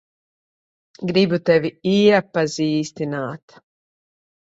Gribu tevi iepazīstināt.